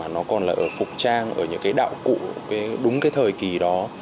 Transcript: nó còn là phục trang ở những đạo cụ đúng thời kỳ đó